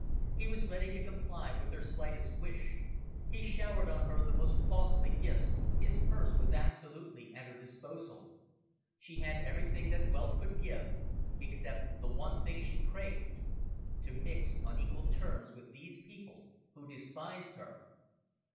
He was ready to comply with her slightest wish. He showered on her the most costly gifts, his purse was absolutely at her disposal. She had everything that wealth could give, except the one thing she craved, to mix on equal terms with these people who despised her.